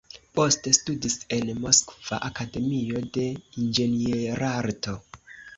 Poste studis en Moskva Akademio de Inĝenierarto.